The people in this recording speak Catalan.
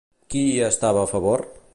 Qui hi estava a favor?